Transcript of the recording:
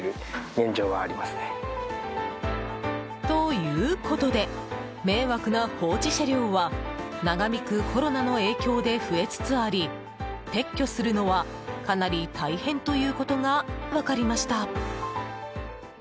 ということで迷惑な放置車両は長引くコロナの影響で増えつつあり撤去するのはかなり大変ということが分かりました。